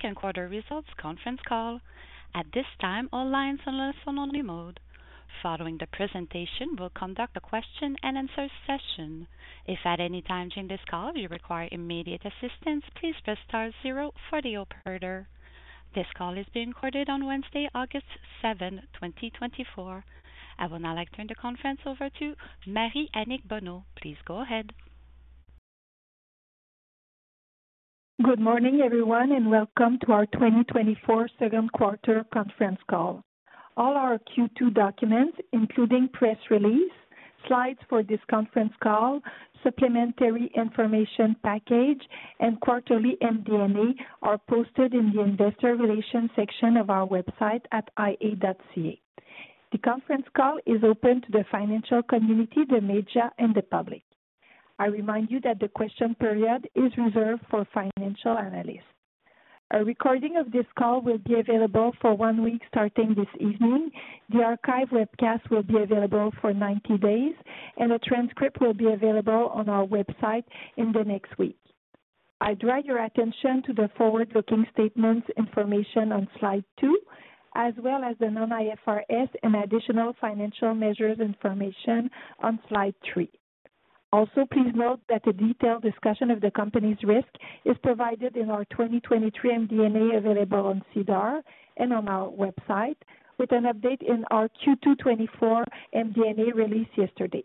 Second quarter results conference call. At this time, all lines are in listen-only mode. Following the presentation, we'll conduct a question-and-answer session. If at any time during this call you require immediate assistance, please press star zero for the operator. This call is being recorded on Wednesday, August 7, 2024. I would now like to turn the conference over to Marie-Annick Bonneau. Please go ahead. Good morning, everyone, and welcome to our 2024 second quarter conference call. All our Q2 documents, including press release, slides for this conference call, supplementary information package, and quarterly MD&A, are posted in the investor relations section of our website at ia.ca. The conference call is open to the financial community, the media, and the public. I remind you that the question period is reserved for financial analysts. A recording of this call will be available for one week starting this evening. The archive webcast will be available for 90 days, and a transcript will be available on our website in the next week. I draw your attention to the forward-looking statements information on Slide two, as well as the non-IFRS and additional financial measures information on Slide three. Also, please note that a detailed discussion of the Company's risk is provided in our 2023 MD&A, available on SEDAR and on our website, with an update in our Q2 2024 MD&A released yesterday.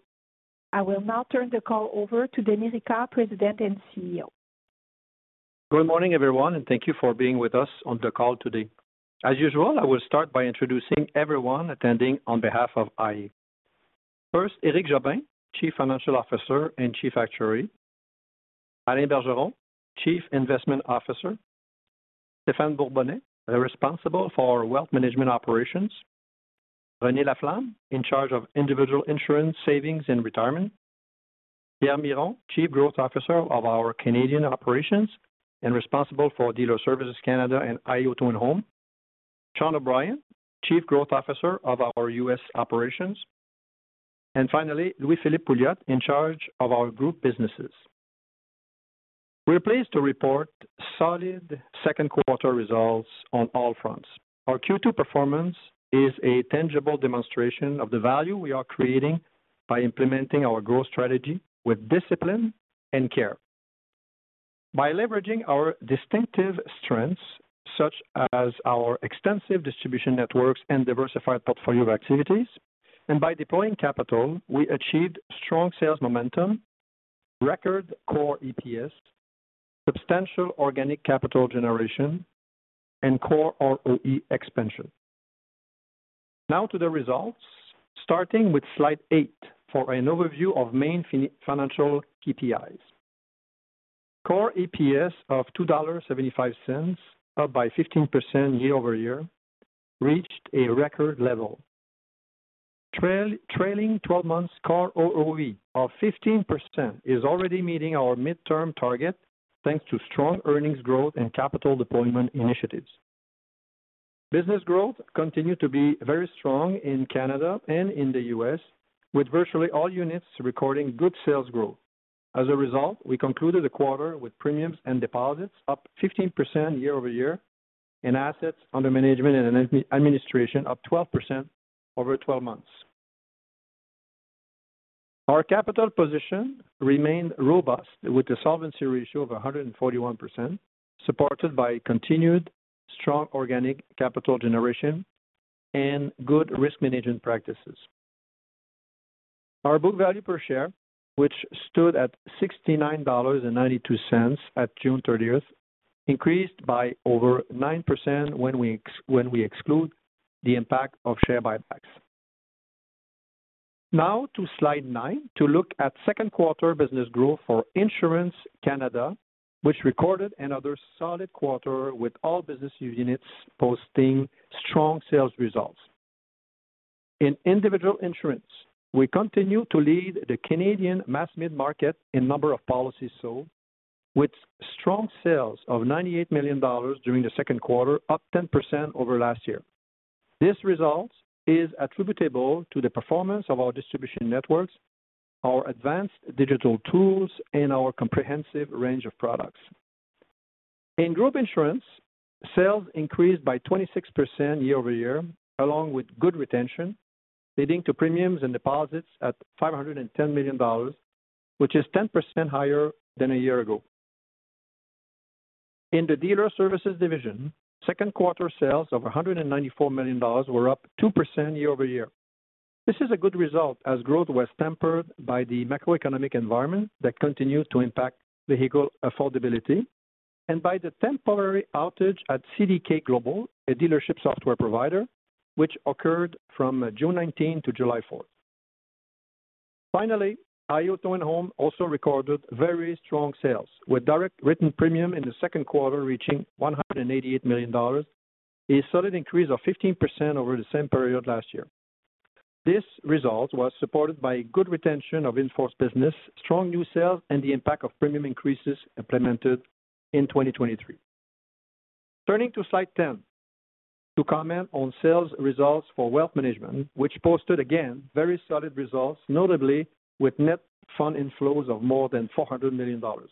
I will now turn the call over to Denis Ricard, President and CEO. Good morning, everyone, and thank you for being with us on the call today. As usual, I will start by introducing everyone attending on behalf of iA. First, Éric Jobin, Chief Financial Officer and Chief Actuary. Alain Bergeron, Chief Investment Officer. Stephan Bourbonnais, the responsible for Wealth Management operations. Renée Laflamme, in charge of Individual Insurance, Savings and Retirement. Pierre Miron, Chief Growth Officer of our Canadian Operations and responsible for Dealer Services Canada and iA Auto and Home. Sean O'Brien, Chief Growth Officer of our US Operations, and finally, Louis-Philippe Pouliot, in charge of our Group Businesses. We are pleased to report solid second quarter results on all fronts. Our Q2 performance is a tangible demonstration of the value we are creating by implementing our growth strategy with discipline and care. By leveraging our distinctive strengths, such as our extensive distribution networks and diversified portfolio of activities, and by deploying capital, we achieved strong sales momentum, record core EPS, substantial organic capital generation, and core ROE expansion. Now to the results, starting with Slide eight for an overview of main financial KPIs. Core EPS of 2.75 dollars, up by 15% year-over-year, reached a record level. Trailing 12 months core ROE of 15% is already meeting our midterm target, thanks to strong earnings growth and capital deployment initiatives. Business growth continued to be very strong in Canada and in the U.S., with virtually all units recording good sales growth. As a result, we concluded the quarter with premiums and deposits up 15% year-over-year and assets under management and administration up 12% over 12 months. Our capital position remained robust, with a solvency ratio of 141%, supported by continued strong organic capital generation and good risk management practices. Our book value per share, which stood at 69.92 dollars at June 30, increased by over 9% when we exclude the impact of share buybacks. Now to Slide nine to look at second quarter business growth for Insurance Canada, which recorded another solid quarter, with all business units posting strong sales results. In Individual Insurance, we continue to lead the Canadian mass mid-market in number of policies sold, with strong sales of 98 million dollars during the second quarter, up 10% over last year. This result is attributable to the performance of our distribution networks, our advanced digital tools, and our comprehensive range of products. In Group Insurance, sales increased by 26% year-over-year, along with good retention, leading to premiums and deposits at 510 million dollars, which is 10% higher than a year ago. In Dealer Services division, second quarter sales of $194 million were up 2% year-over-year. This is a good result, as growth was tempered by the macroeconomic environment that continued to impact vehicle affordability and by the temporary outage at CDK Global, a dealership software provider, which occurred from June 19 to July 4. Finally, iA Auto and Home also recorded very strong sales, with direct written premium in the second quarter reaching 188 million dollars, a solid increase of 15% over the same period last year. This result was supported by good retention of in-force business, strong new sales, and the impact of premium increases implemented in 2023. Turning to Slide 10 to comment on sales results Wealth Management, which posted, again, very solid results, notably with net fund inflows of more than 400 million dollars.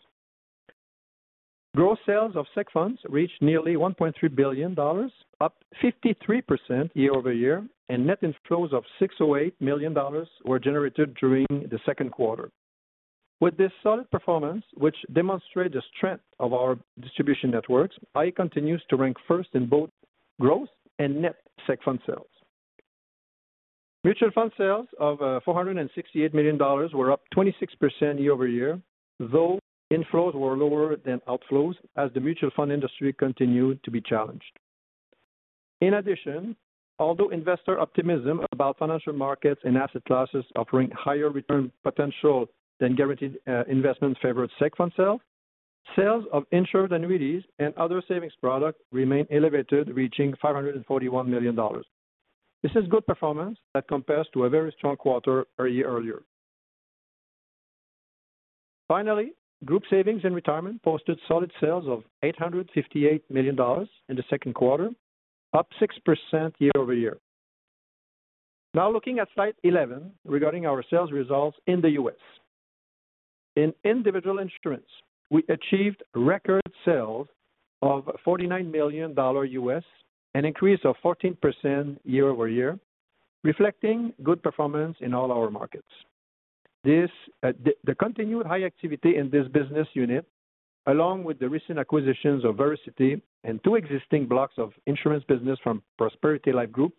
Gross sales of seg funds reached nearly 1.3 billion dollars, up 53% year-over-year, and net inflows of 608 million dollars were generated during the second quarter. With this solid performance, which demonstrates the strength of our distribution networks, iA continues to rank first in both growth and net seg fund sales. Mutual fund sales of 468 million dollars were up 26% year-over-year, though inflows were lower than outflows as the mutual fund industry continued to be challenged. In addition, although investor optimism about financial markets and asset classes offering higher return potential than guaranteed investments favored seg fund sales, sales of insured annuities and other savings products remain elevated, reaching 541 million dollars. This is good performance that compares to a very strong quarter a year earlier. Finally, Group Savings and Retirement posted solid sales of 858 million dollars in the second quarter, up 6% year-over-year. Now looking at Slide 11 regarding our sales results in the US. In Individual Insurance, we achieved record sales of $49 million, an increase of 14% year-over-year, reflecting good performance in all our markets. The continued high activity in this business unit, along with the recent acquisitions of Vericity and two existing blocks of insurance business from Prosperity Life Group,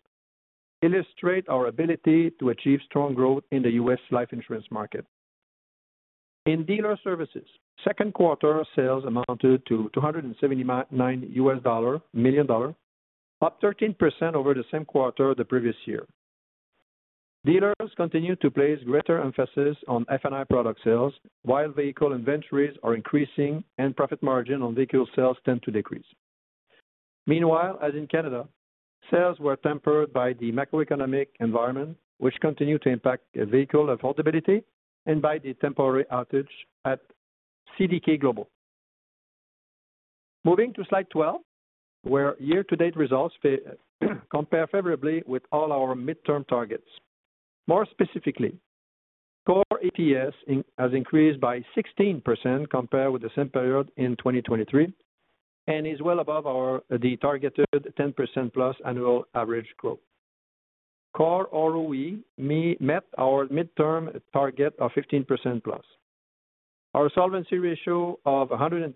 illustrate our ability to achieve strong growth in the US life insurance market. Dealer Services, second quarter sales amounted to $279 million, up 13% over the same quarter the previous year. Dealers continue to place greater emphasis on F&I product sales, while vehicle inventories are increasing and profit margin on vehicle sales tend to decrease. Meanwhile, as in Canada, sales were tempered by the macroeconomic environment, which continued to impact vehicle affordability and by the temporary outage at CDK Global. Moving to Slide 12, where year-to-date results favorably compare with all our midterm targets. More specifically, Core EPS has increased by 16% compared with the same period in 2023, and is well above the targeted 10%+ annual average growth. Core ROE met our mid-term target of 15%+. Our solvency ratio of 141%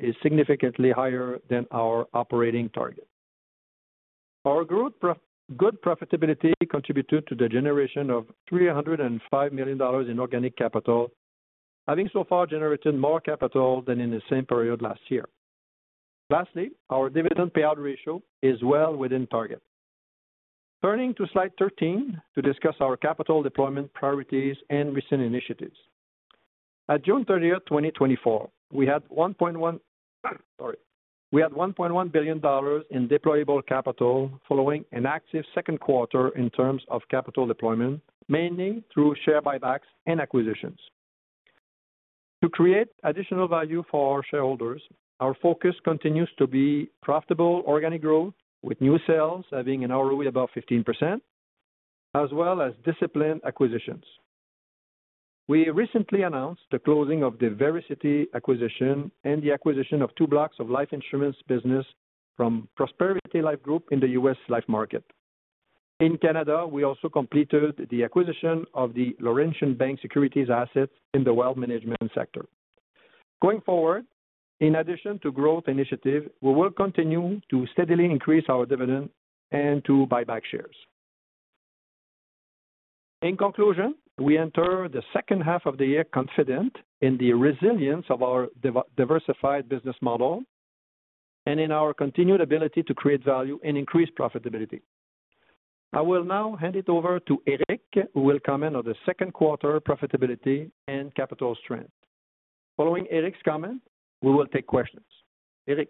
is significantly higher than our operating target. Our group's good profitability contributed to the generation of 305 million dollars in organic capital, having so far generated more capital than in the same period last year. Lastly, our dividend payout ratio is well within target. Turning to Slide 13, to discuss our capital deployment priorities and recent initiatives. At June 30, 2024, we had 1.1 billion dollars in deployable capital following an active second quarter in terms of capital deployment, mainly through share buybacks and acquisitions. To create additional value for our shareholders, our focus continues to be profitable organic growth, with new sales having an ROE above 15%, as well as disciplined acquisitions. We recently announced the closing of the Vericity acquisition and the acquisition of two blocks of life insurance business from Prosperity Life Group in the US life market. In Canada, we also completed the acquisition of the Laurentian Bank Securities assets in Wealth Management sector. Going forward, in addition to growth initiative, we will continue to steadily increase our dividend and to buy back shares. In conclusion, we enter the second half of the year confident in the resilience of our diversified business model and in our continued ability to create value and increase profitability. I will now hand it over to Éric, who will comment on the second quarter profitability and capital strength. Following Éric's comment, we will take questions. Éric?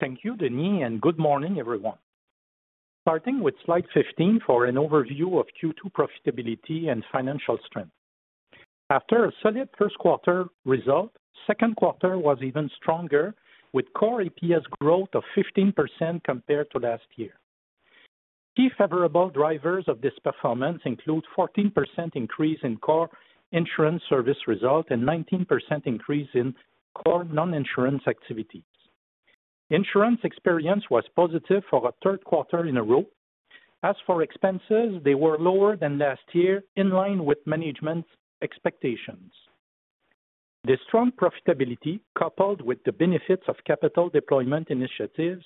Thank you, Denis, and good morning, everyone. Starting with Slide 15 for an overview of Q2 profitability and financial strength. After a solid first quarter result, second quarter was even stronger, with Core EPS growth of 15% compared to last year. Key favorable drivers of this performance include Core Non-Insurance Activities. Insurance experience was positive for a third quarter in a row. As for expenses, they were lower than last year, in line with management expectations. The strong profitability, coupled with the benefits of capital deployment initiatives,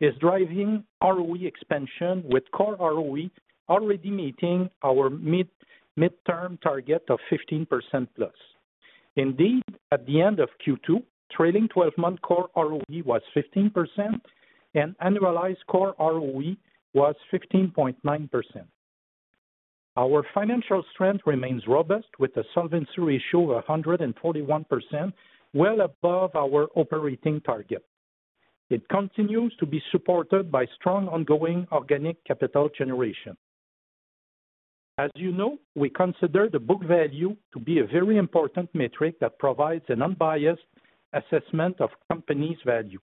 is driving ROE expansion, with core ROE already meeting our mid, midterm target of 15% plus. Indeed, at the end of Q2, trailing twelve-month core ROE was 15% and annualized core ROE was 15.9%. Our financial strength remains robust, with a solvency ratio of 141%, well above our operating target. It continues to be supported by strong, ongoing organic capital generation.... As you know, we consider the book value to be a very important metric that provides an unbiased assessment of Company's value.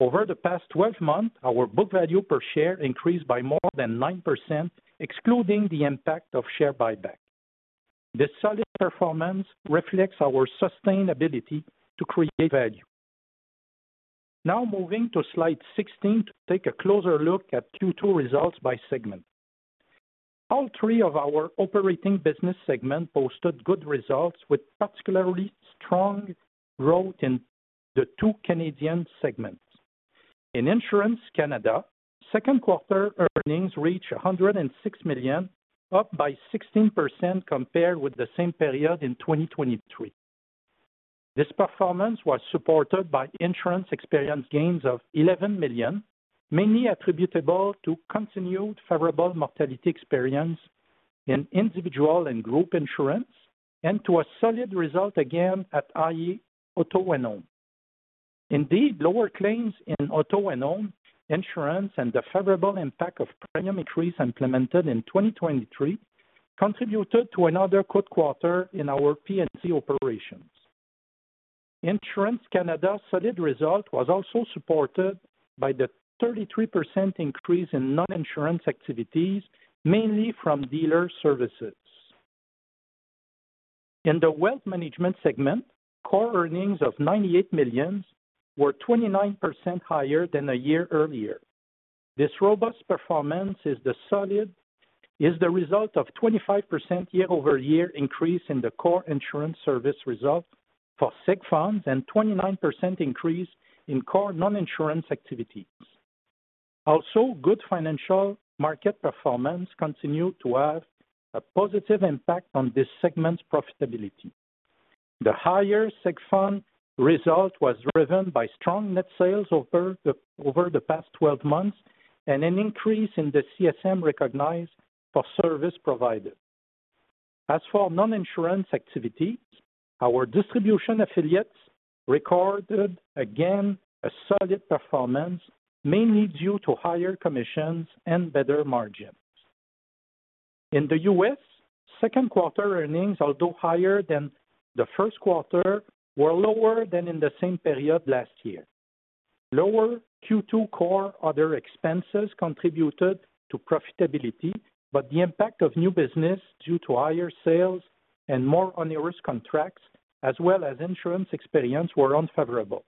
Over the past 12 months, our book value per share increased by more than 9%, excluding the impact of share buyback. This solid performance reflects our sustainability to create value. Now moving to Slide 16 to take a closer look at Q2 results by segment. All three of our operating business segment posted good results, with particularly strong growth in the two Canadian segments. In Insurance Canada, second quarter earnings reached 106 million, up by 16% compared with the same period in 2023. This performance was supported by Insurance experience gains of 11 million, mainly attributable to continued favorable mortality experience in Individual and Group Insurance, and to a solid result again at iA Auto and Home. Indeed, lower claims in auto and home insurance, and the favorable impact of premium increase implemented in 2023, contributed to another good quarter in our P&C operations. Insurance Canada solid result was also supported by the 33% increase in Non-Insurance Activities, mainly Dealer Services. In Core Earnings of 98 million were 29% higher than a year earlier. This robust performance is the result of 25% year-over-year Core Insurance Service Result for seg funds, and 29% Core Non-Insurance Activities. also, good financial market performance continued to have a positive impact on this segment's profitability. The higher seg fund result was driven by strong net sales over the past 12 months, and an increase in the CSM recognized for service provided. As for Non-Insurance Activities, our distribution affiliates recorded, again, a solid performance, mainly due to higher commissions and better margins. In the US, second quarter earnings, although higher than the first quarter, were lower than in the same period last year. Core Other Expenses contributed to profitability, but the impact of new business due to higher sales and more onerous contracts, as well as Insurance experience, were unfavorable.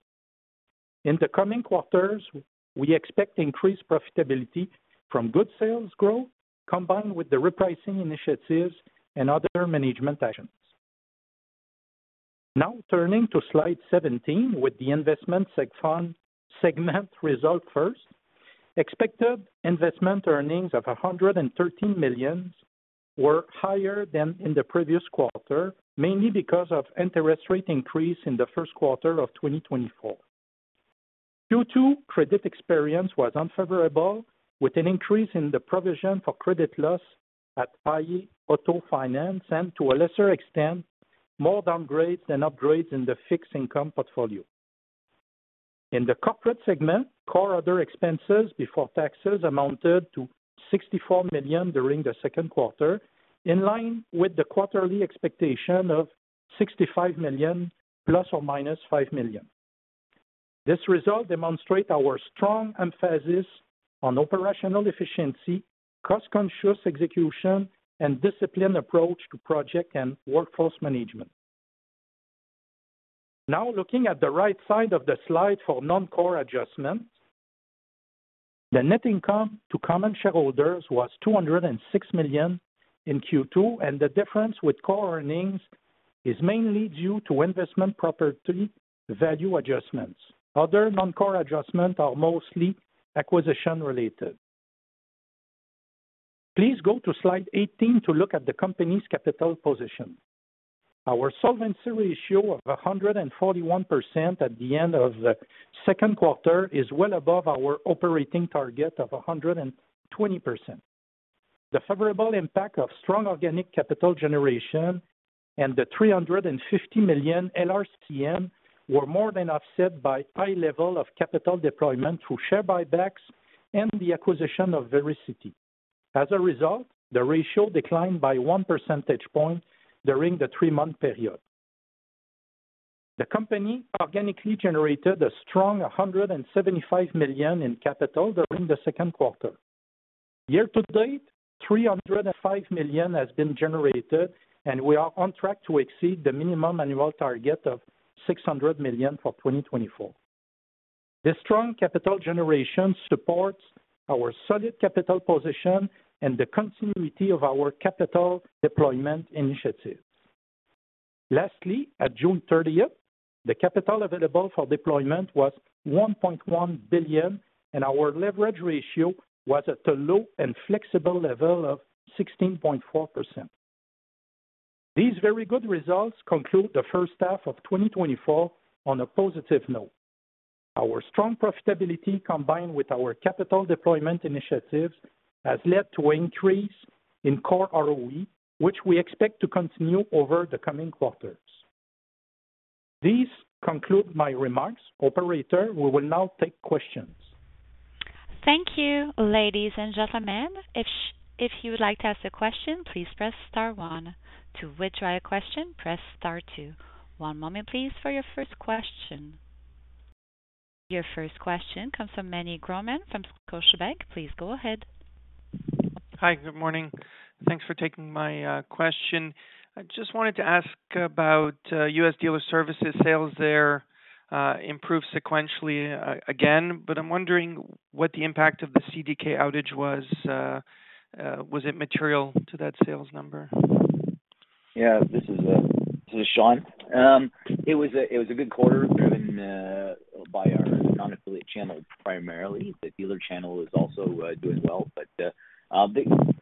In the coming quarters, we expect increased profitability from good sales growth, combined with the repricing initiatives and other management actions. Now turning to Slide 17 with the Investment segment result first. Expected investment earnings of 113 million were higher than in the previous quarter, mainly because of interest rate increase in the first quarter of 2024. Q2 credit experience was unfavorable, with an increase in the provision for credit loss at iA Auto Finance, and to a lesser extent, more downgrades than upgrades in the fixed income portfolio. In the Core Other Expenses before taxes amounted to 64 million during the second quarter, in line with the quarterly expectation of 65 million ± 5 million. This result demonstrate our strong emphasis on operational efficiency, cost-conscious execution, and disciplined approach to project and workforce management. Now, looking at the right side of the Slide for non-core adjustments, the net income to common shareholders was 206 million in Q2, and the difference from Core Earnings is mainly due to investment property value adjustments. Other non-core adjustments are mostly acquisition-related. Please go to Slide 18 to look at the Company's capital position. Our solvency ratio of 141% at the end of the second quarter is well above our operating target of 120%. The favorable impact of strong organic capital generation and the 350 million LRCN were more than offset by high level of capital deployment through share buybacks and the acquisition of Vericity. As a result, the ratio declined by 1 percentage point during the three-month period. The company organically generated a strong 175 million in capital during the second quarter. Year to date, 305 million has been generated, and we are on track to exceed the minimum annual target of 600 million for 2024. This strong capital generation supports our solid capital position and the continuity of our capital deployment initiatives. Lastly, at June thirtieth, the capital available for deployment was 1.1 billion, and our leverage ratio was at a low and flexible level of 16.4%. These very good results conclude the first half of 2024 on a positive note. Our strong profitability, combined with our capital deployment initiatives, has led to an increase in Core ROE, which we expect to continue over the coming quarters.... These conclude my remarks. Operator, we will now take questions. Thank you, ladies and gentlemen. If you would like to ask a question, please press star one. To withdraw your question, press star two. One moment, please, for your first question. Your first question comes from Meny Grauman from Scotiabank. Please go ahead. Hi, good morning. Thanks for taking my question. I just wanted to ask about U.S. Dealer Services sales there improved sequentially again, but I'm wondering what the impact of the CDK outage was. Was it material to that sales number? Yeah, this is Sean. It was a good quarter driven by our non-affiliate channel, primarily. The dealer channel is also doing well. But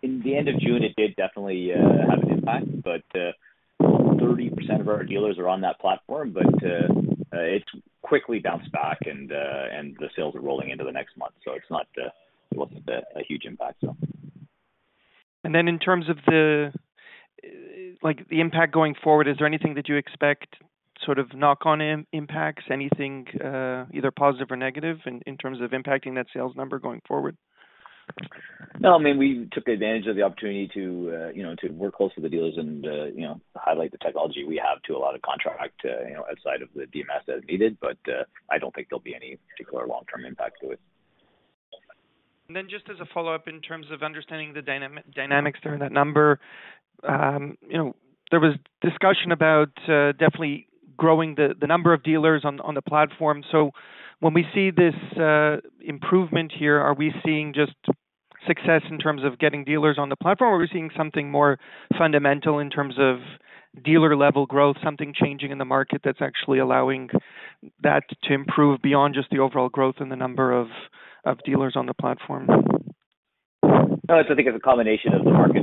in the end of June, it did definitely have an impact, but 30% of our dealers are on that platform. But it quickly bounced back and the sales are rolling into the next month, so it's not, it wasn't a huge impact, so. In terms of the, like, the impact going forward, is there anything that you expect, sort of, knock-on impacts, anything, either positive or negative in terms of impacting that sales number going forward? No, I mean, we took advantage of the opportunity to, you know, to work close with the dealers and, you know, highlight the technology we have to a lot of contract, you know, outside of the DMS as needed, but, I don't think there'll be any particular long-term impact to it. Then just as a follow-up, in terms of understanding the dynamics around that number, you know, there was discussion about definitely growing the number of dealers on the platform. So when we see this improvement here, are we seeing just success in terms of getting dealers on the platform, or are we seeing something more fundamental in terms of dealer-level growth, something changing in the market that's actually allowing that to improve beyond just the overall growth in the number of dealers on the platform? So I think it's a combination of the market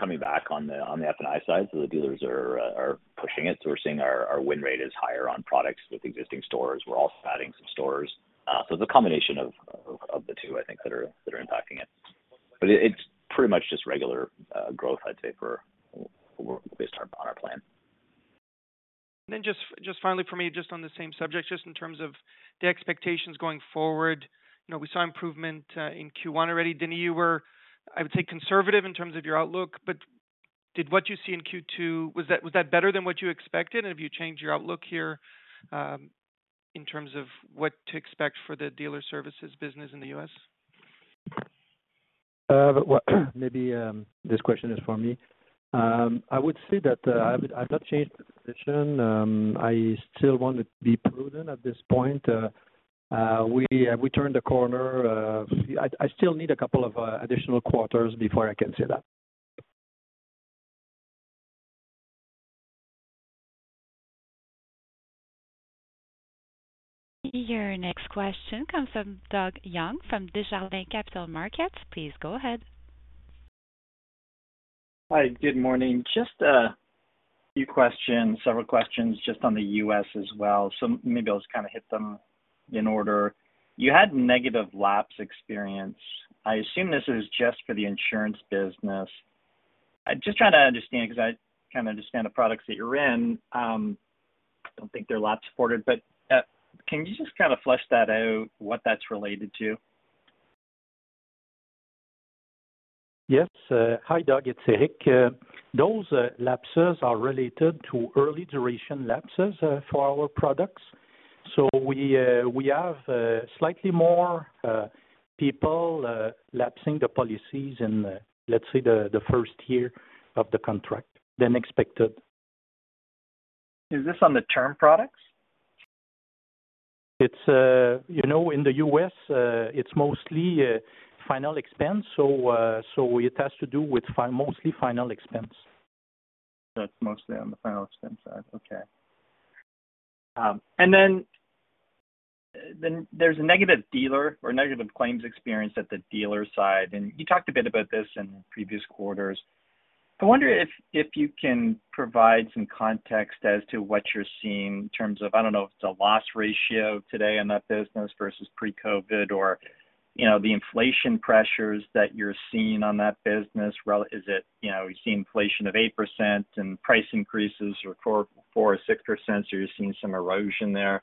coming back on the F&I side, so the dealers are pushing it. So we're seeing our win rate is higher on products with existing stores. We're also adding some stores. So it's a combination of the two, I think, that are impacting it. But it's pretty much just regular growth, I'd say, for... Based on our plan. And then just, just finally for me, just on the same subject, just in terms of the expectations going forward, you know, we saw improvement in Q1 already. Denis, you were, I would say, conservative in terms of your outlook, but did what you see in Q2—was that, was that better than what you expected? Have you changed your outlook here in terms of what to expect for Dealer Services business in the US? Well, maybe this question is for me. I would say that I've not changed the position. I still want to be prudent at this point. We turned the corner. I still need a couple of additional quarters before I can say that. Your next question comes from Doug Young from Desjardins Capital Markets. Please go ahead. Hi, good morning. Just a few questions, several questions, just on the U.S. as well. So maybe I'll just kind of hit them in order. You had negative lapse experience. I assume this is just for the Insurance business. I'm just trying to understand, because I kind of understand the products that you're in, I don't think they're lapse-supported, but, can you just kind of flesh that out, what that's related to? Yes. Hi, Doug, it's Éric. Those lapses are related to early duration lapses for our products. So we have slightly more people lapsing the policies in, let's say, the first year of the contract than expected. Is this on the term products? It's... You know, in the U.S., it's mostly final expense, so it has to do with mostly final expense. That's mostly on the final expense side. Okay. And then, then there's a negative dealer or negative claims experience at the dealer side, and you talked a bit about this in previous quarters. I wonder if you can provide some context as to what you're seeing in terms of, I don't know, if it's a loss ratio today in that business versus pre-COVID or, you know, the inflation pressures that you're seeing on that business. Is it, you know, you're seeing inflation of 8% and price increases or 4, 4 or 6%, so you're seeing some erosion there.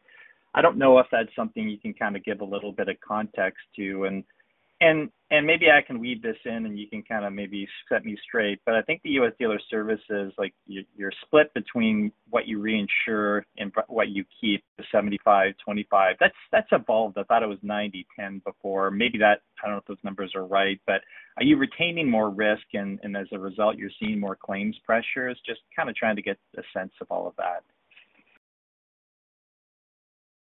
I don't know if that's something you can kind of give a little bit of context to, and maybe I can weave this in, and you can kind of maybe set me straight. But I think the Dealer Services, like, you're split between what you reinsure and what you keep, the 75-25. That's, that's evolved. I thought it was 90-10 before. Maybe that... I don't know if those numbers are right, but are you retaining more risk, and, and as a result, you're seeing more claims pressures? Just kind of trying to get a sense of all of that.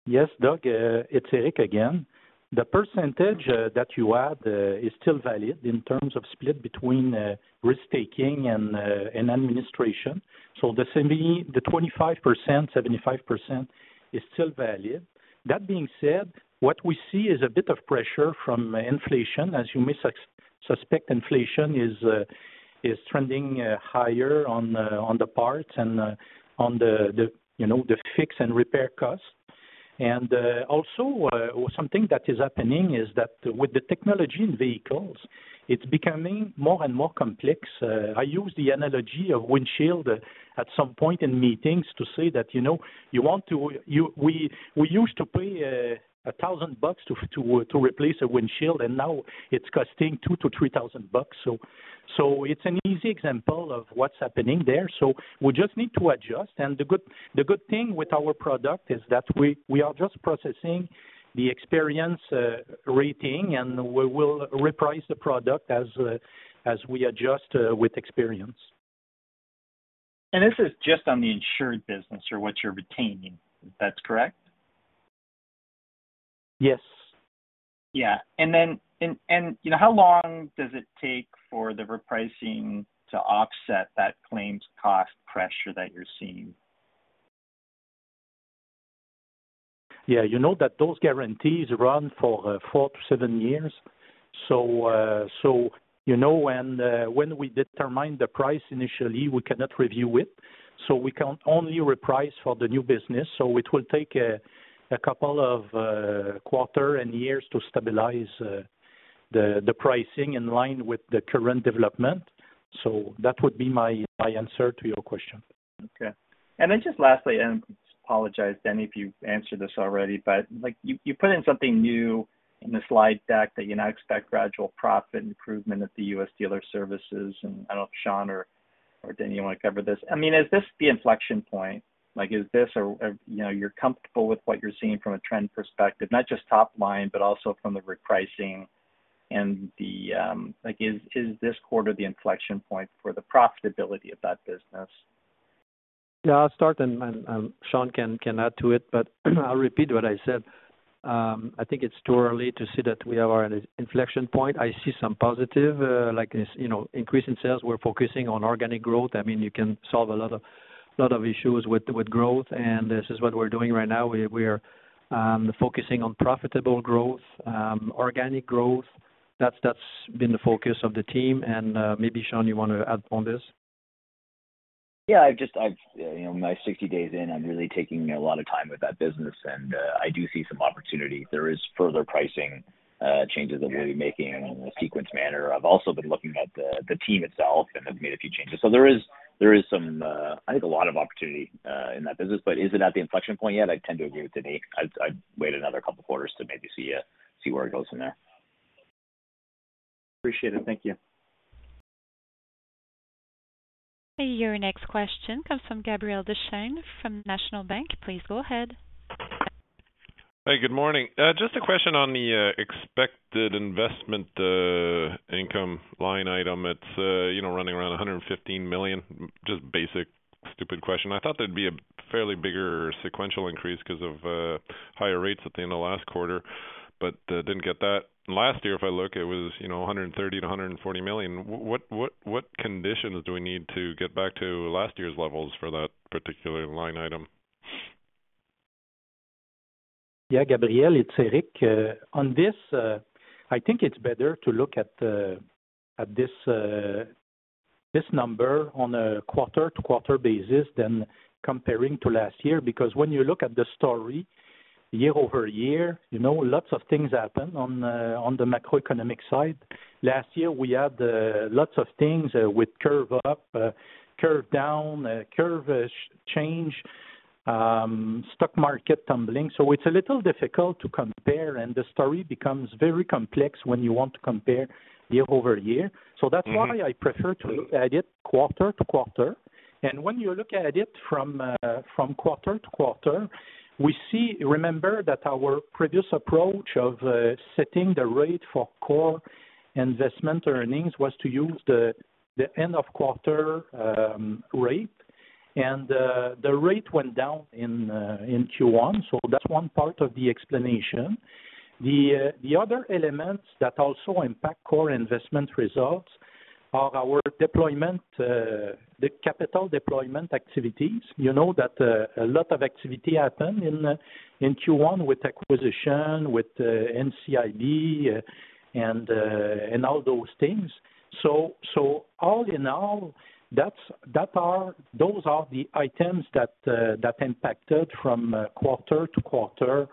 Yes, Doug, it's Éric again. The percentage that you had is still valid in terms of split between risk-taking and administration. So the 75, the 25%, 75% is still valid. That being said, what we see is a bit of pressure from inflation. As you may suspect, inflation is trending higher on the parts and on the fix and repair costs. Also, something that is happening is that with the technology in vehicles, it's becoming more and more complex. I use the analogy of windshield at some point in meetings to say that, you know, we used to pay $1,000 bucks to replace a windshield, and now it's costing $2,000-$3,000 bucks. It's an easy example of what's happening there. We just need to adjust. The good thing with our product is that we are just processing the experience rating, and we will reprice the product as we adjust with experience. This is just on the insured business or what you're retaining? That's correct? Yes. Yeah. And then, you know, how long does it take for the repricing to offset that claims cost pressure that you're seeing? Yeah, you know, those guarantees run for four to seven years. So, so you know, when we determine the price initially, we cannot review it, so we can only reprice for the new business. So it will take a couple of quarters and years to stabilize the pricing in line with the current development. So that would be my answer to your question. Okay. And then just lastly, and I apologize, Denis, if you've answered this already, but like, you put in something new in the Slide deck that you now expect gradual profit improvement at the Dealer Services, and I don't know if Sean or Denis, you wanna cover this? I mean, is this the inflection point? Like, is this or you know, you're comfortable with what you're seeing from a trend perspective, not just top line, but also from the repricing and the Like, is this quarter the inflection point for the profitability of that business? Yeah, I'll start, and Sean can add to it, but I'll repeat what I said. I think it's too early to say that we are at an inflection point. I see some positive, like, you know, increase in sales. We're focusing on organic growth. I mean, you can solve a lot of issues with growth, and this is what we're doing right now. We are focusing on profitable growth, organic growth. That's been the focus of the team. And maybe, Sean, you want to add on this? Yeah, I've just, you know, my 60 days in, I'm really taking a lot of time with that business, and I do see some opportunity. There is further pricing changes that we're making in a sequenced manner. I've also been looking at the team itself and have made a few changes. So there is some, I think, a lot of opportunity in that business. But is it at the inflection point yet? I'd tend to agree with Denis. I'd wait another couple quarters to maybe see where it goes from there. Appreciate it. Thank you. Your next question comes from Gabriel Dechaine, from National Bank. Please go ahead. Hi, good morning. Just a question on the expected investment income line item. It's you know, running around 115 million. Just basic, stupid question. I thought there'd be a fairly bigger sequential increase 'cause of higher rates at the end of last quarter, but didn't get that. Last year, if I look, it was you know, 130 million-140 million. What conditions do we need to get back to last year's levels for that particular line item? Yeah, Gabriel, it's Éric. On this, I think it's better to look at this number on a quarter-to-quarter basis than comparing to last year. Because when you look at the story year over year, you know, lots of things happen on the macroeconomic side. Last year, we had lots of things with curve up, curve down, curve change, stock market tumbling, so it's a little difficult to compare, and the story becomes very complex when you want to compare year over year. Mm-hmm. So that's why I prefer to look at it quarter to quarter. And when you look at it from, from quarter to quarter, we see. Remember that our previous approach of setting the rate for core investment earnings was to use the end of quarter rate, and the rate went down in Q1, so that's one part of the explanation. The other elements that also impact core investment results are our deployment, the capital deployment activities. You know that a lot of activity happened in Q1 with acquisition, with NCIB, and all those things. So all in all, those are the items that impacted from quarter to quarter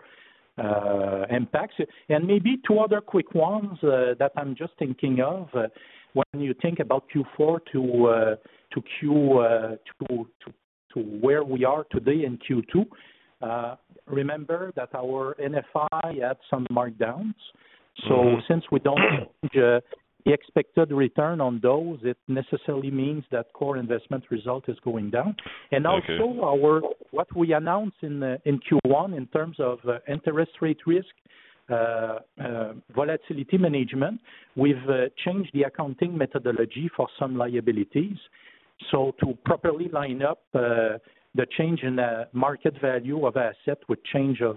impacts. Maybe two other quick ones, that I'm just thinking of, when you think about Q4 to Q2, remember that our NFI had some markdowns. Mm-hmm. So since we don't change the expected return on those, it necessarily means that core investment result is going down. Okay. And also, our what we announced in Q1 in terms of interest rate risk, volatility management, we've changed the accounting methodology for some liabilities, so to properly line up the change in the market value of asset with change of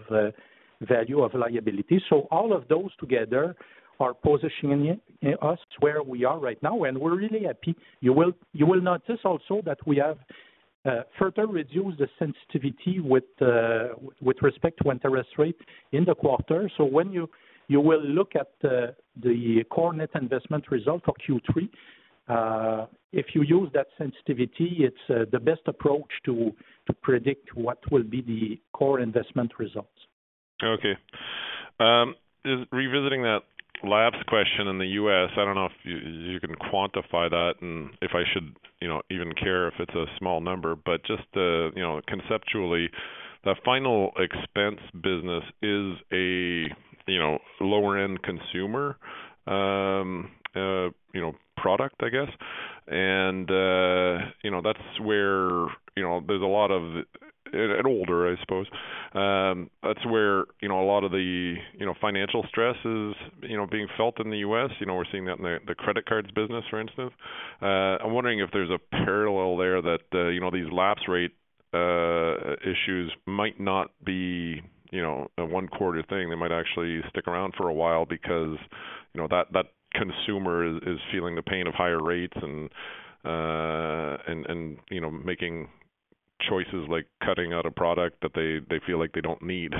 value of liability. So all of those together are positioning us where we are right now, and we're really happy. You will, you will notice also that we have further reduced the sensitivity with with respect to interest rate in the quarter. So when you, you will Core Net Investment Result for q3, if you use that sensitivity, it's the best approach to to predict what will be the core investment results. Okay. Is revisiting that lapse question in the US, I don't know if you can quantify that, and if I should, you know, even care if it's a small number, but just to, you know, conceptually, the final expense business is a, you know, lower-end consumer, you know, product, I guess. And, you know, that's where, you know, there's a lot of and older, I suppose. That's where, you know, a lot of the, you know, financial stress is, you know, being felt in the US. You know, we're seeing that in the credit cards business, for instance. I'm wondering if there's a parallel there that, you know, these lapse rate issues might not be, you know, a one-quarter thing. They might actually stick around for a while because, you know, that consumer is feeling the pain of higher rates and, you know, making choices like cutting out a product that they feel like they don't need.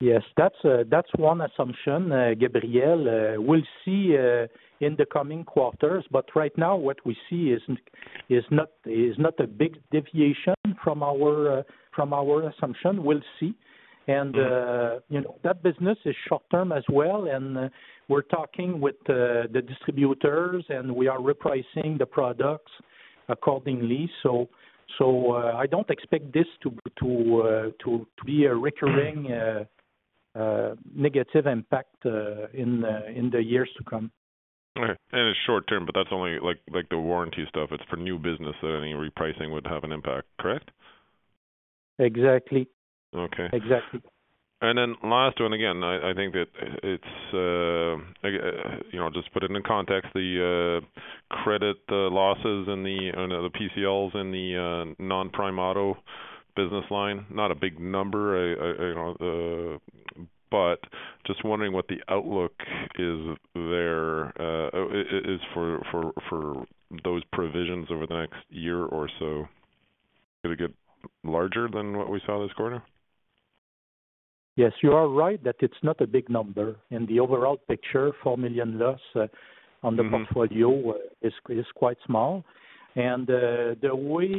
Yes, that's one assumption, Gabriel. We'll see in the coming quarters, but right now, what we see is not a big deviation from our assumption. We'll see. And, you know, that business is short term as well, and we're talking with the distributors, and we are repricing the products accordingly. So, I don't expect this to be a recurring negative impact in the years to come. All right. And it's short term, but that's only, like, the warranty stuff. It's for new business that any repricing would have an impact, correct? Exactly. Okay. Exactly. And then last one, again, I think that it's, again, you know, just put it into context, the credit losses and the PCLs in the non-prime auto business line, not a big number, you know, but just wondering what the outlook is there for those provisions over the next year or so. Gonna get larger than what we saw this quarter? Yes, you are right that it's not a big number. In the overall picture, 4 million loss on the portfolio- Mm-hmm... is quite small. And, the way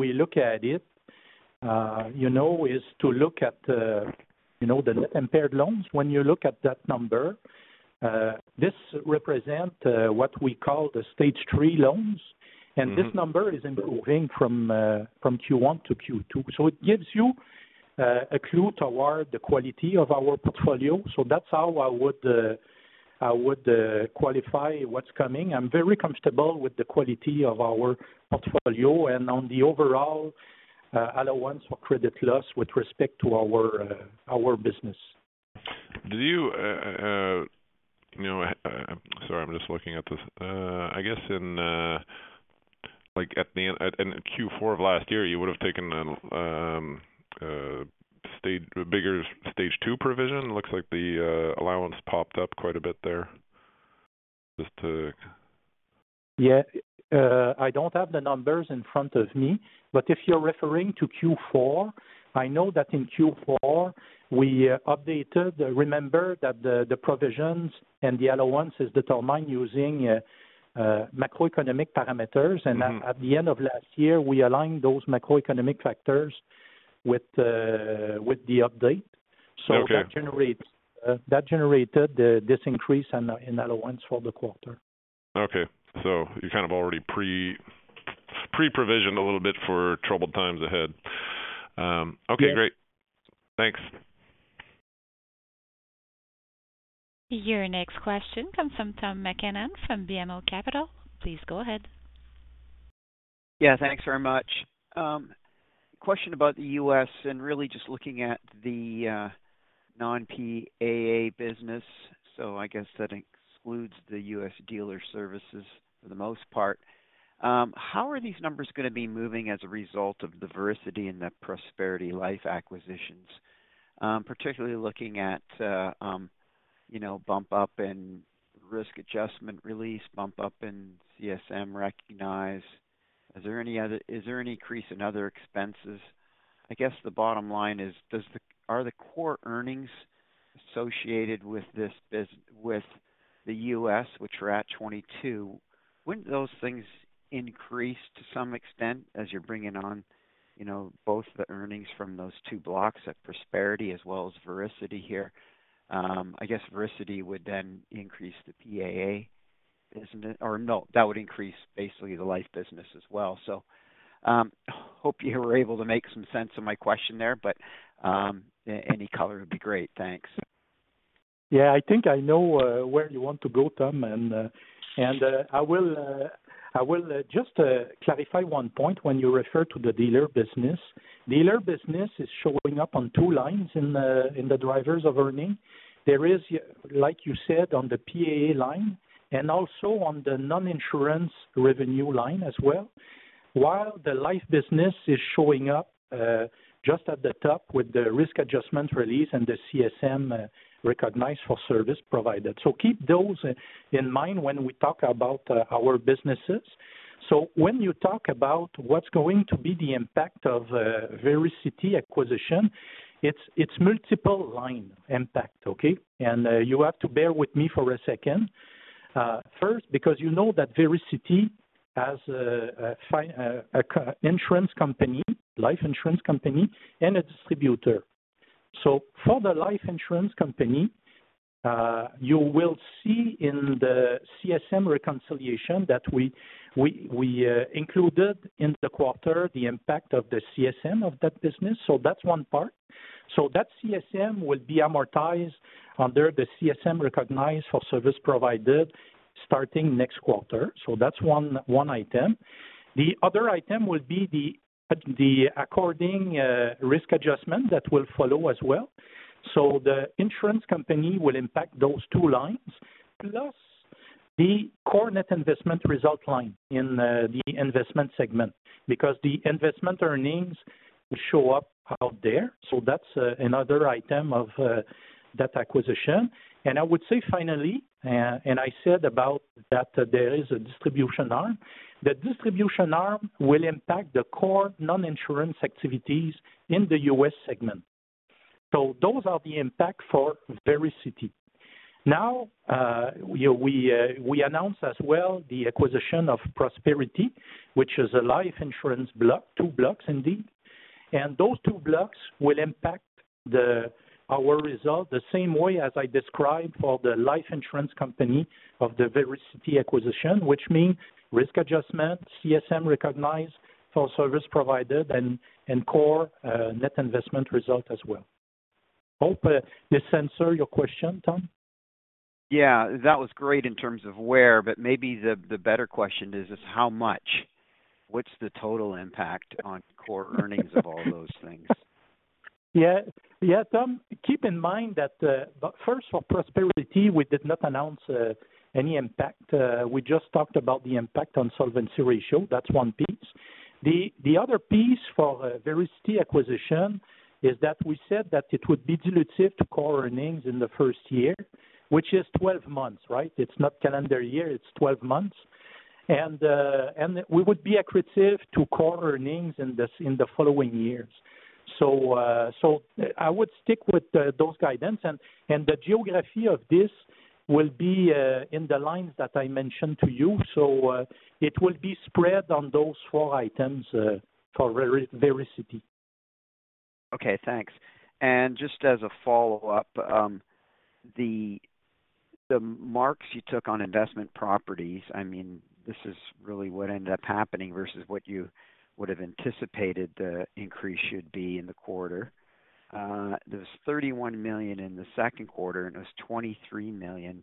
we look at it, you know, is to look at, you know, the impaired loans. When you look at that number, this represent what we call the Stage three loans. Mm-hmm. This number is improving from Q1 to Q2. So it gives you a clue toward the quality of our portfolio. So that's how I would qualify what's coming. I'm very comfortable with the quality of our portfolio and on the overall allowance for credit loss with respect to our business. Do you, you know... Sorry, I'm just looking at this. I guess in, like, at the end—at, in Q4 of last year, you would have taken Stage, a bigger Stage two provision? It looks like the allowance popped up quite a bit there. Just to- Yeah. I don't have the numbers in front of me, but if you're referring to Q4, I know that in Q4, we updated. Remember that the provisions and the allowance is determined using macroeconomic parameters. Mm-hmm. At the end of last year, we aligned those macroeconomic factors with the update. Okay. So that generated this increase in allowance for the quarter. Okay. So you kind of already pre-provisioned a little bit for troubled times ahead. Okay, great. Yes. Thanks. Your next question comes from Tom MacKinnon from BMO Capital. Please go ahead. Yeah, thanks very much. Question about the U.S. and really just looking at the non-PAA business, so I guess that excludes the Dealer Services for the most part. How are these numbers gonna be moving as a result of the Vericity and the Prosperity Life acquisitions? Particularly looking at, you know, bump up in risk adjustment release, bump up in CSM recognize, is there any other? Is there an increase in other expenses? I guess the bottom line is, does the? Are Core Earnings associated with this business with the U.S., which we're at $22, wouldn't those things increase to some extent as you're bringing on, you know, both the earnings from those two blocks at Prosperity as well as Vericity here? I guess Vericity would then increase the PAA, isn't it? Or no, that would increase basically the life business as well. So, hope you were able to make some sense of my question there, but, any color would be great. Thanks. Yeah, I think I know where you want to go, Tom, and I will just clarify one point when you refer to the dealer business. Dealer business is showing up on two lines in the Drivers of Earnings. There is, like you said, on the PAA line and also on the Non-Insurance revenue line as well, while the life business is showing up just at the top with the risk adjustment release and the CSM recognized for service provided. So keep those in mind when we talk about our businesses. So when you talk about what's going to be the impact of Vericity acquisition, it's multiple line impact, okay? And you have to bear with me for a second. First, because you know that Vericity has a insurance company, life insurance company, and a distributor. So for the life insurance company, you will see in the CSM reconciliation that we included in the quarter the impact of the CSM of that business, so that's one part. So that CSM will be amortized under the CSM recognized for service provider, starting next quarter. So that's one item. The other item will be the corresponding risk adjustment that will follow as well. So the Insurance company will impact those two Core Net Investment Result line in the investment segment, because the investment earnings will show up out there. So that's another item of that acquisition. And I would say finally, as I said about that there is a distribution arm. The distribution arm will be in impact Core Non-Insurance Activities in the US segment. So those are the impact for Vericity. Now, we announce as well the acquisition of Prosperity, which is a life Insurance block, two blocks indeed. And those two blocks will impact the, our result the same way as I described for the life insurance company of the Vericity acquisition, which means risk adjustment, CSM recognized for service provided, and core, net investment result as well. Hope this answer your question, Tom? Yeah, that was great in terms of where, but maybe the better question is how much? What's the total impact Core Earnings of all those things? Yeah. Yeah, Tom, keep in mind that, first, for Prosperity, we did not announce any impact. We just talked about the impact on solvency ratio. That's one piece. The other piece for Vericity acquisition is that we said that it would be dilutive Core Earnings in the first year, which is 12 months, right? It's not calendar year, it's 12 months. And we would be accretive Core Earnings in the following years. So I would stick with those guidance. And the geography of this will be in the lines that I mentioned to you. So it will be spread on those four items for Vericity. Okay, thanks. And just as a follow-up, the marks you took on investment properties, I mean, this is really what ended up happening versus what you would have anticipated the increase should be in the quarter. There was 31 million in the second quarter, and it was 23 million,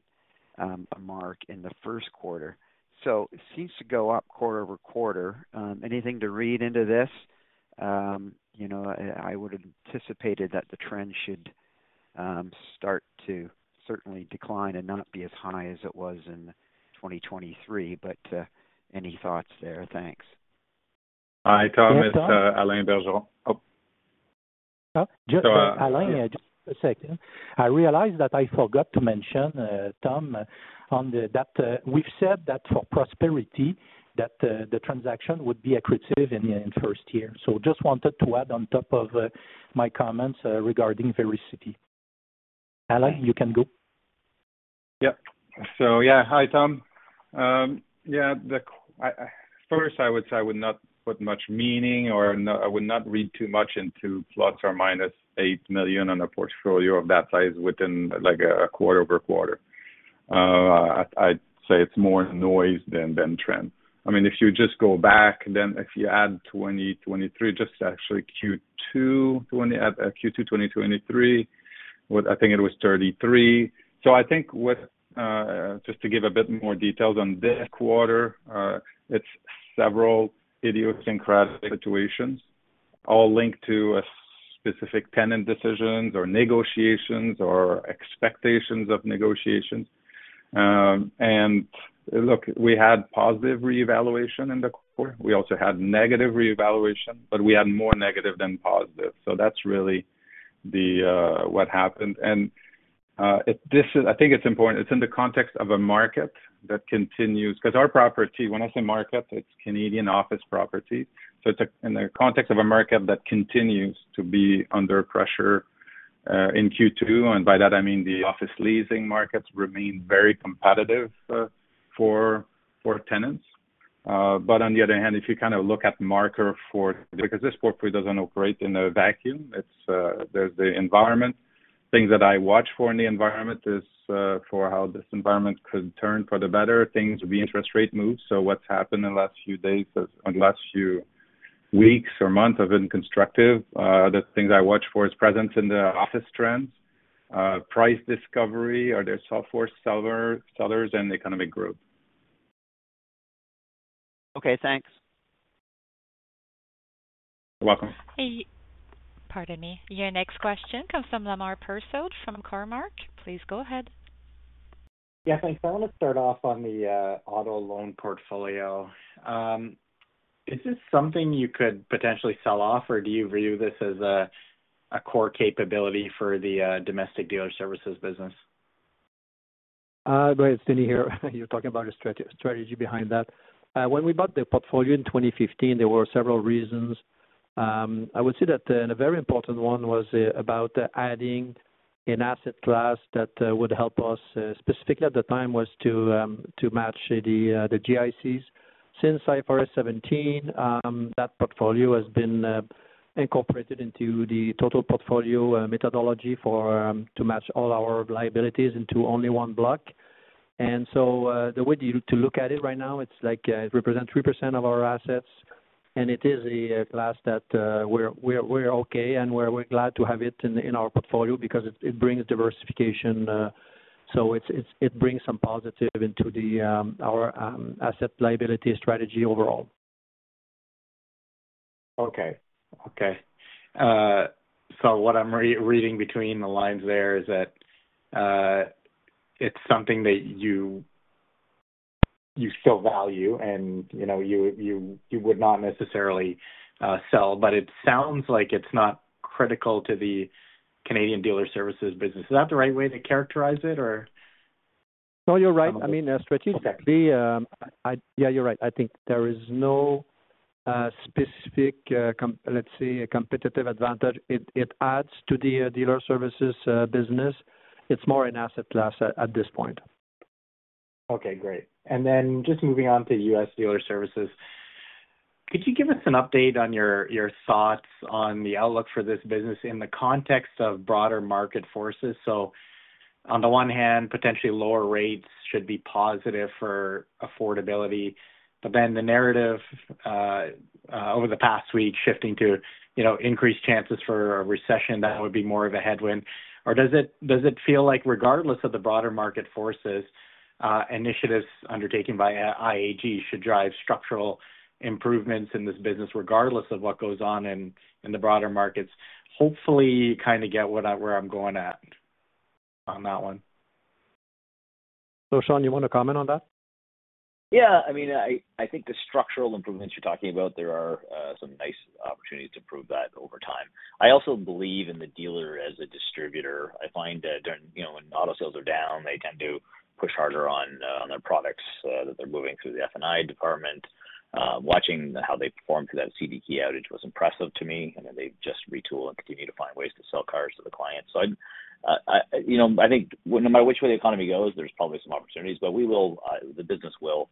a mark in the first quarter. So it seems to go up quarter-over-quarter. Anything to read into this? You know, I would have anticipated that the trend should start to certainly decline and not be as high as it was in 2023, but any thoughts there? Thanks. Hi, Tom, it's- Yeah, Tom... Alain Bergeron. Oh. Just Alain, just a second. I realized that I forgot to mention Tom, that we've said that for Prosperity, that the transaction would be accretive in the first year. So just wanted to add on top of my comments regarding Vericity. Alain, you can go. Yep. So yeah. Hi, Tom. Yeah, first I would say I would not put much meaning or not, I would not read too much into +/- 8 million on a portfolio of that size within, like, a quarter-over-quarter. I'd say it's more noise than trend. I mean, if you just go back, then if you add 2023, just actually Q2 2023, what I think it was 33. So I think with, just to give a bit more details on this quarter, it's several idiosyncratic situations, all linked to a specific tenant decisions or negotiations or expectations of negotiations. And look, we had positive revaluation in the quarter. We also had negative revaluation, but we had more negative than positive. So that's really the what happened. I think it's important, it's in the context of a market that continues, because our property, when I say market, it's Canadian office property, so it's in the context of a market that continues to be under pressure in Q2, and by that, I mean, the office leasing markets remain very competitive for tenants. But on the other hand, if you kind of look at marker for, because this property doesn't operate in a vacuum, it's there's the environment. Things that I watch for in the environment is for how this environment could turn for the better, things, the interest rate moves. So what's happened in the last few days, or last few weeks or months, have been constructive. The things I watch for is presence in the office trends, price discovery, are there software sellers, and the economic group. Okay, thanks. You're welcome. Hey, pardon me. Your next question comes from Lemar Persaud, from Cormark. Please go ahead. Go ahead, It's Denis here. You're talking about a strategy behind that. When we bought the portfolio in 2015, there were several reasons. I would say that the very important one was about adding an asset class that would help us, specifically at the time was to match the GICs. Since IFRS 17, that portfolio has been incorporated into the total portfolio methodology for to match all our liabilities into only one block. So, the way to look at it right now, it's like, it represents 3% of our assets, and it is a class that we're okay, and we're glad to have it in our portfolio because it brings diversification, so it brings some positive into our asset liability strategy overall. Okay. So what I'm re-reading between the lines there is that it's something that you still value and, you know, you would not necessarily sell, but it sounds like it's not critical to the Dealer Services business. Is that the right way to characterize it, or? No, you're right. I mean, strategically- Okay. Yeah, you're right. I think there is no specific, let's say, competitive advantage it adds to Dealer Services business. It's more an asset class at this point. Okay, great. And then just moving on to Dealer Services, could you give us an update on your, your thoughts on the outlook for this business in the context of broader market forces? So on the one hand, potentially lower rates should be positive for affordability, but then the narrative over the past week, shifting to, you know, increased chances for a recession, that would be more of a headwind. Or does it, does it feel like regardless of the broader market forces, initiatives undertaken by, IAG should drive structural improvements in this business, regardless of what goes on in the broader markets? Hopefully, you kind of get where I'm going at on that one. So, Sean, you want to comment on that? Yeah. I mean, I think the structural improvements you're talking about, there are some nice opportunities to improve that over time. I also believe in the dealer as a distributor. I find that, you know, when auto sales are down, they tend to push harder on their products that they're moving through the F&I department. Watching how they performed through that CDK outage was impressive to me, and then they just retool and continue to find ways to sell cars to the clients. So I, you know, I think no matter which way the economy goes, there's probably some opportunities, but we will, the business will,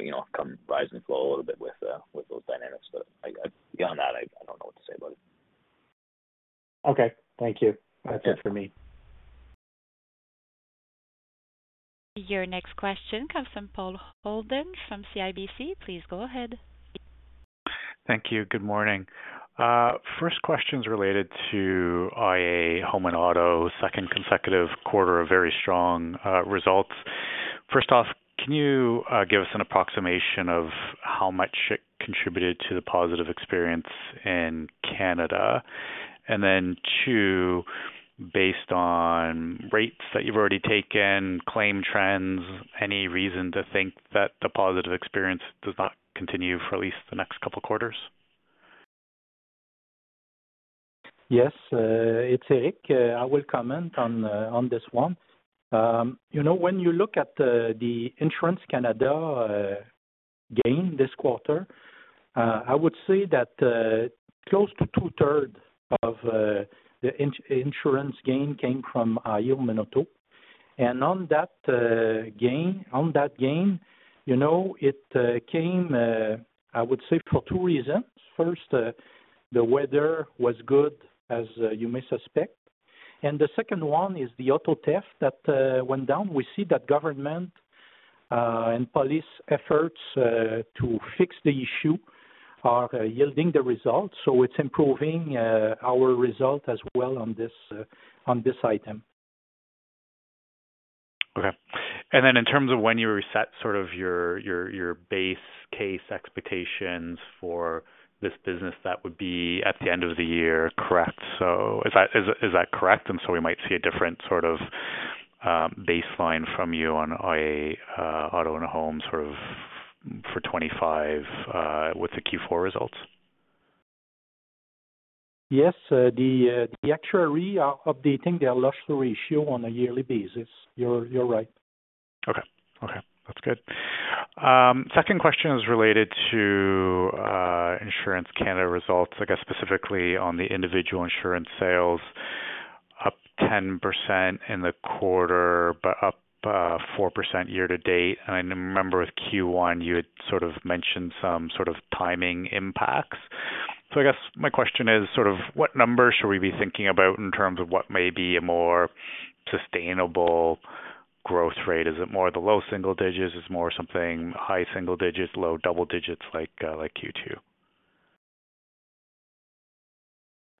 you know, come, rise and flow a little bit with those dynamics. But I, beyond that, I don't know what to say about it. Okay. Thank you. Yeah. That's it for me. Your next question comes from Paul Holden from CIBC. Please go ahead. Thank you. Good morning. First question is related to iA Home and Auto, second consecutive quarter of very strong results. First off, can you give us an approximation of how much it contributed to the positive experience in Canada? And then, two, based on rates that you've already taken, claim trends, any reason to think that the positive experience does not continue for at least the next couple quarters? Yes, it's Éric. I will comment on this one. You know, when you look at the Insurance Canada gain this quarter, I would say that close to two-third of the Insurance gain came from iA Home and Auto. And on that gain, on that gain, you know, it came, I would say, for two reasons. First, the weather was good, as you may suspect, and the second one is the auto theft that went down. We see that government and police efforts to fix the issue are yielding the results, so it's improving our result as well on this item. Okay. And then in terms of when you reset sort of your base case expectations for this business, that would be at the end of the year, correct? So is that correct? And so we might see a different sort of baseline from you on IA Auto and Home, sort of, for 2025, with the Q4 results. Yes, the actuary are updating their loss ratio on a yearly basis. You're right. Okay. Okay, that's good. Second question is related to Insurance Canada results, I guess specifically on the Individual Insurance sales, up 10% in the quarter, but up four percent year to date. And I remember with Q1, you had sort of mentioned some sort of timing impacts. So I guess my question is, sort of, what numbers should we be thinking about in terms of what may be a more sustainable growth rate? Is it more the low single digits? Is it more something high single digits, low double digits, like like Q2?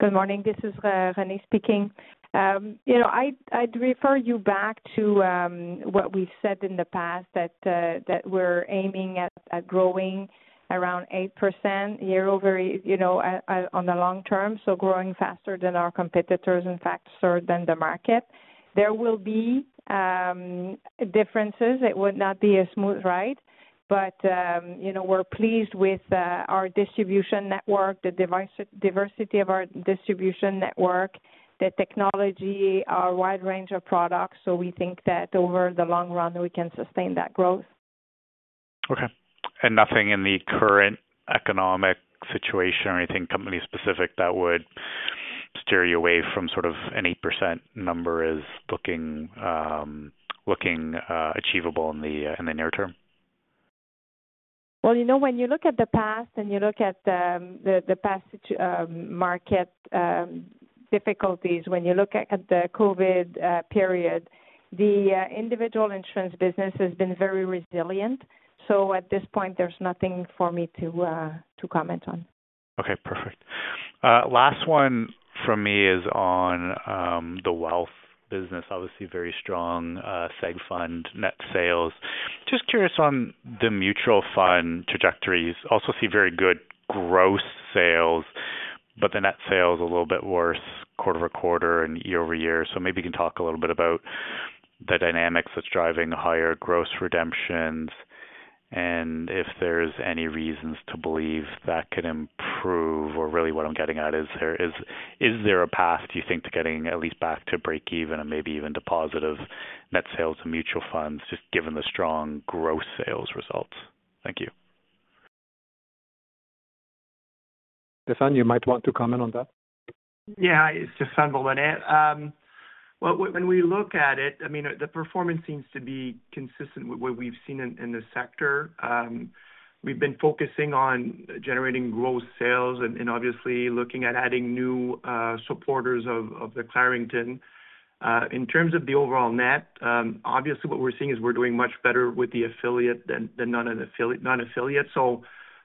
Good morning, this is Renée speaking. You know, I'd refer you back to what we've said in the past, that we're aiming at growing around 8% year over year, you know, on the long term, so growing faster than our competitors, in fact, faster than the market. There will be differences. It would not be a smooth ride, but you know, we're pleased with our distribution network, the diversity of our distribution network, the technology, our wide range of products, so we think that over the long run, we can sustain that growth.... Okay. And nothing in the current economic situation or anything company specific that would steer you away from sort of an 8% number is looking achievable in the near term? Well, you know, when you look at the past and you look at the past market difficulties, when you look at the COVID period, the Individual Insurance business has been very resilient. So at this point, there's nothing for me to comment on. Okay, perfect. Last one from me is on, the wealth business. Obviously, very strong, seg fund, net sales. Just curious on the mutual fund trajectories. Also see very good gross sales, but the net sales a little bit worse quarter over quarter and year over year. So maybe you can talk a little bit about the dynamics that's driving higher gross redemptions, and if there's any reasons to believe that could improve, or really what I'm getting at is, is, is there a path, do you think, to getting at least back to breakeven and maybe even deposit of net sales and mutual funds, just given the strong gross sales results? Thank you. Stephan, you might want to comment on that. Yeah, it's Stephan Bourbonnais. Well, when we look at it, I mean, the performance seems to be consistent with what we've seen in the sector. We've been focusing on generating gross sales and obviously looking at adding new supporters of the Clarington. In terms of the overall net, obviously what we're seeing is we're doing much better with the affiliate than non-affiliate. So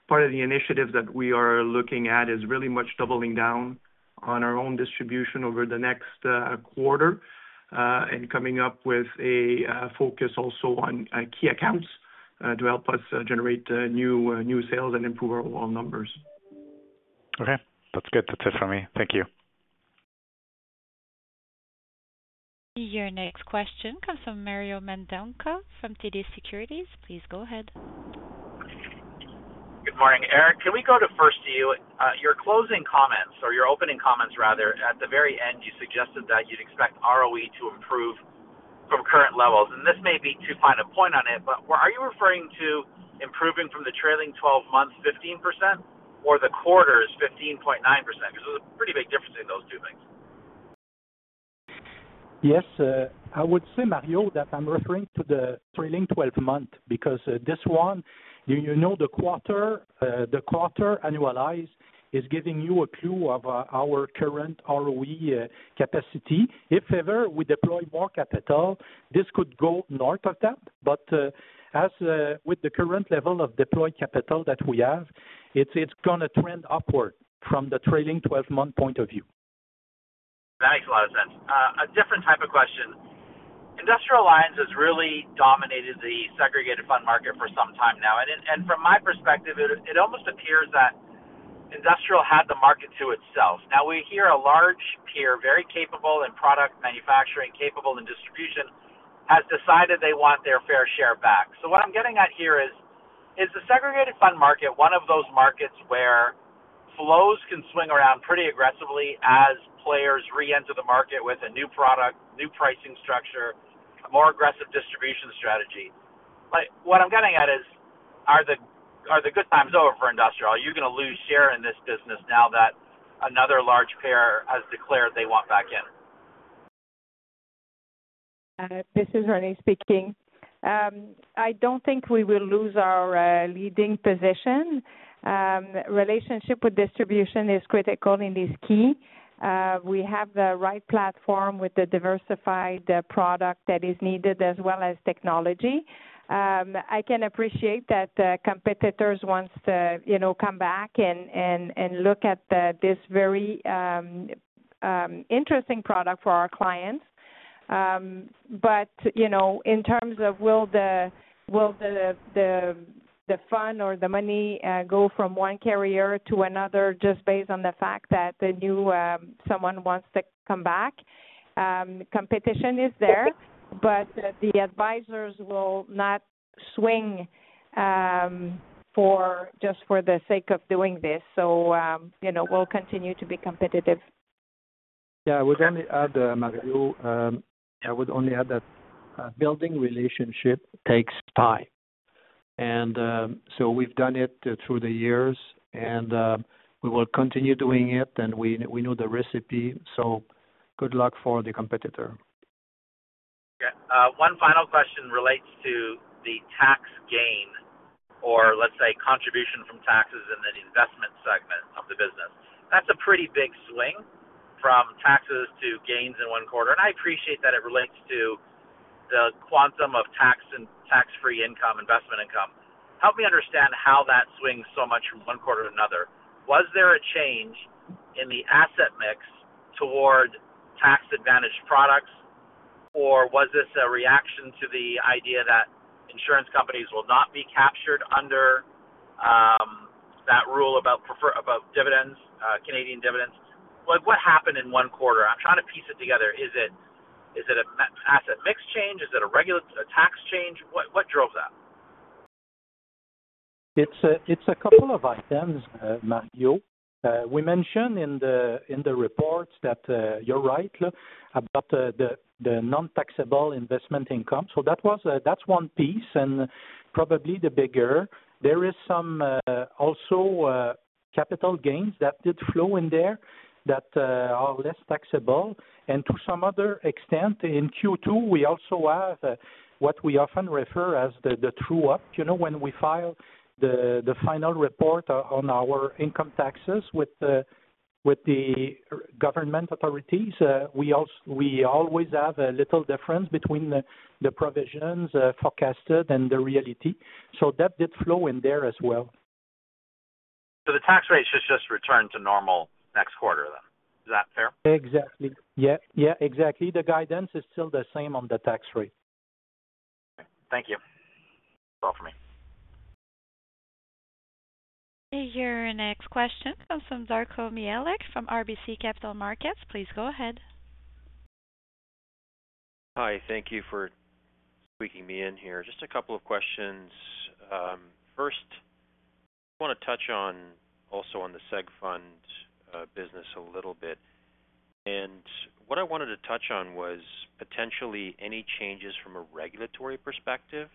part of the initiative that we are looking at is really much doubling down on our own distribution over the next quarter and coming up with a focus also on key accounts to help us generate new sales and improve our overall numbers. Okay. That's good. That's it for me. Thank you. Your next question comes from Mario Mendonca from TD Securities. Please go ahead. Good morning, Éric. Can we go first to you? Your closing comments or your opening comments, rather, at the very end, you suggested that you'd expect ROE to improve from current levels, and this may be too fine a point on it, but are you referring to improving from the trailing twelve months, 15%, or the quarter's 15.9%? Because there's a pretty big difference in those two things. Yes, I would say, Mario, that I'm referring to the trailing twelve-month, because, this one, you know, the quarter, the quarter annualized is giving you a clue of, our current ROE capacity. If ever we deploy more capital, this could go north of that, but, as, with the current level of deployed capital that we have, it's, it's gonna trend upward from the trailing twelve-month point of view. That makes a lot of sense. A different type of question. Industrial Alliance has really dominated the segregated fund market for some time now, and it, and from my perspective, it, it almost appears that Industrial had the market to itself. Now, we hear a large peer, very capable in product manufacturing, capable in distribution, has decided they want their fair share back. So what I'm getting at here is, is the segregated fund market one of those markets where flows can swing around pretty aggressively as players reenter the market with a new product, new pricing structure, a more aggressive distribution strategy? But what I'm getting at is, are the, are the good times over for Industrial? Are you going to lose share in this business now that another large player has declared they want back in? This is Renée speaking. I don't think we will lose our leading position. Relationship with distribution is critical and is key. We have the right platform with the diversified product that is needed, as well as technology. I can appreciate that the competitors wants to, you know, come back and look at this very interesting product for our clients. But, you know, in terms of will the fund or the money go from one carrier to another just based on the fact that the new someone wants to come back, competition is there, but the advisors will not swing for just for the sake of doing this. So, you know, we'll continue to be competitive. Yeah, I would only add, Mario, I would only add that building relationship takes time. So we've done it through the years, and we will continue doing it, and we know the recipe, so good luck for the competitor. Yeah. One final question relates to the tax gain, or let's say, contribution from taxes in the investment segment of the business. That's a pretty big swing from taxes to gains in one quarter, and I appreciate that it relates to the quantum of tax and tax-free income, investment income. Help me understand how that swings so much from one quarter to another. Was there a change in the asset mix toward tax-advantaged products, or was this a reaction to the idea that insurance companies will not be captured under, that rule about prefer- about dividends, Canadian dividends? Like, what happened in one quarter? I'm trying to piece it together. Is it, is it a asset mix change? Is it a tax change? What, what drove that?... It's a couple of items, Mario. We mentioned in the reports that you're right about the nontaxable investment income. So that was that's one piece, and probably the bigger. There is some also capital gains that did flow in there that are less taxable. And to some other extent, in Q2, we also have what we often refer as the true-up. You know, when we file the final report on our income taxes with the government authorities, we always have a little difference between the provisions forecasted and the reality. So that did flow in there as well. So the tax rate should just return to normal next quarter then. Is that fair? Exactly. Yeah, yeah, exactly. The guidance is still the same on the tax rate. Thank you. That's all for me. Your next question comes from Darko Mihelic, from RBC Capital Markets. Please go ahead. Hi, thank you for squeezing me in here. Just a couple of questions. First, I wanna touch on, also on the seg fund business a little bit. What I wanted to touch on was potentially any changes from a regulatory perspective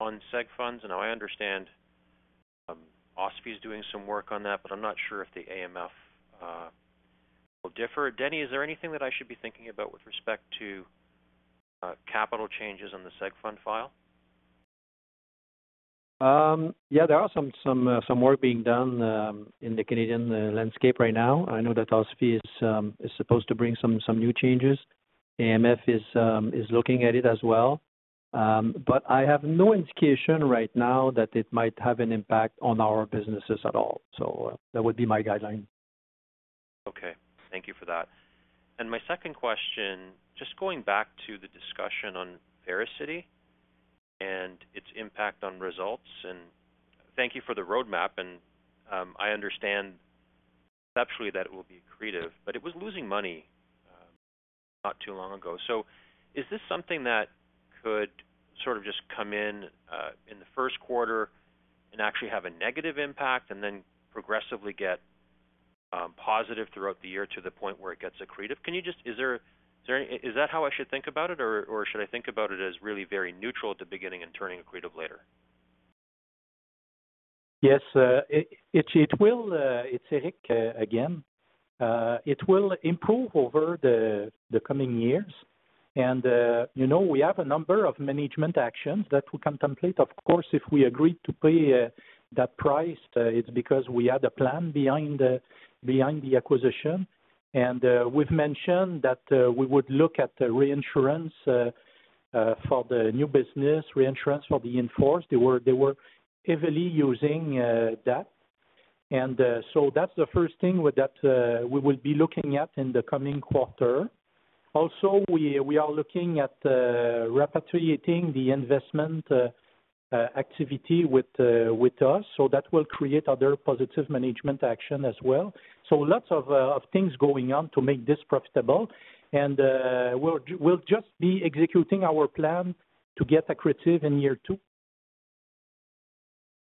on seg funds. Now, I understand, OSFI is doing some work on that, but I'm not sure if the AMF will differ. Denis, is there anything that I should be thinking about with respect to capital changes on the seg fund file? Yeah, there are some work being done in the Canadian landscape right now. I know that OSFI is supposed to bring some new changes. AMF is looking at it as well. But I have no indication right now that it might have an impact on our businesses at all, so that would be my guideline. Okay. Thank you for that. And my second question, just going back to the discussion on Vericity and its impact on results, and thank you for the roadmap, and I understand conceptually that it will be accretive, but it was losing money not too long ago. So is this something that could sort of just come in in the first quarter and actually have a negative impact and then progressively get positive throughout the year to the point where it gets accretive? Can you just—is that how I should think about it, or should I think about it as really very neutral at the beginning and turning accretive later? Yes, it will, it's Éric again. It will improve over the coming years. And, you know, we have a number of management actions that we contemplate. Of course, if we agreed to pay that price, it's because we had a plan behind the acquisition. And, we've mentioned that we would look at the reinsurance for the new business, reinsurance for the in-force. They were heavily using that. And, so that's the first thing that we will be looking at in the coming quarter. Also, we are looking at repatriating the investment activity with us, so that will create other positive management action as well. So lots of things going on to make this profitable, and we'll just be executing our plan to get accretive in year two.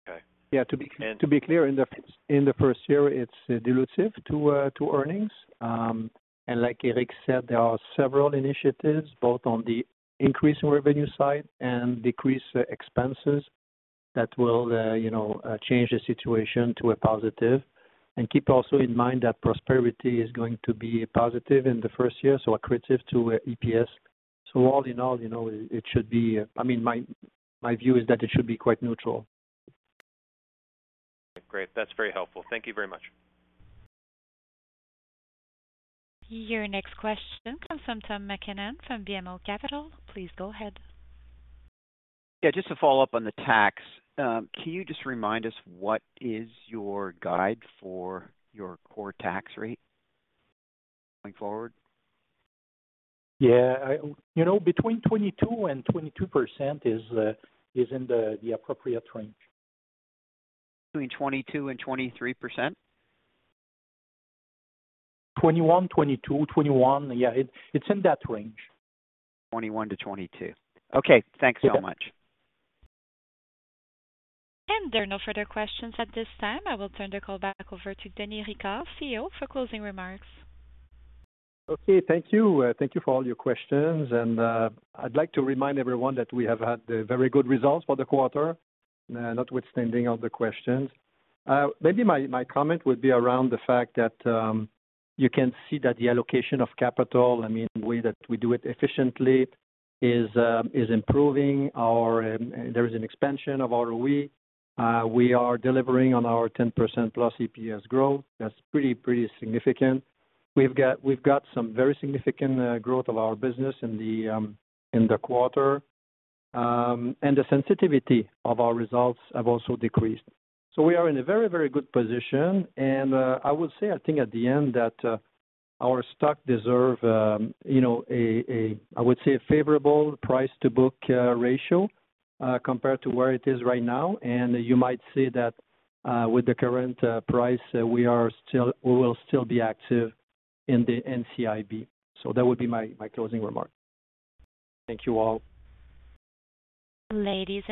Okay. Yeah, to be clear, in the first year, it's dilutive to earnings. And like Éric said, there are several initiatives, both on the increasing revenue side and decrease expenses, that will, you know, change the situation to a positive. And keep also in mind that Prosperity is going to be positive in the first year, so accretive to EPS. So all in all, you know, it should be, I mean, my view is that it should be quite neutral. Great, that's very helpful. Thank you very much. Your next question comes from Tom MacKinnon from BMO Capital Markets. Please go ahead. Yeah, just to follow up on the tax. Can you just remind us what is your guide for your core tax rate going forward? Yeah. You know, between 22% and 22% is in the appropriate range. Between 22% and 23%? 21%, 22%, 21%. Yeah, it's, it's in that range. 21%-22%. Okay, thanks so much. There are no further questions at this time. I will turn the call back over to Denis Ricard, CEO, for closing remarks. Okay. Thank you. Thank you for all your questions, and I'd like to remind everyone that we have had the very good results for the quarter, notwithstanding all the questions. Maybe my comment would be around the fact that you can see that the allocation of capital, I mean, the way that we do it efficiently, is improving. Our... There is an expansion of ROE. We are delivering on our 10%+ EPS growth. That's pretty significant. We've got some very significant growth of our business in the quarter. And the sensitivity of our results have also decreased. So we are in a very, very good position, and, I would say, I think at the end, that, our stock deserve, you know, a, a, I would say, a favorable price-to-book ratio, compared to where it is right now. And you might say that, with the current price, we are still- we will still be active in the NCIB. So that would be my, my closing remark. Thank you all. Ladies and-